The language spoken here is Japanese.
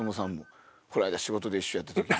この間仕事で一緒やった時に。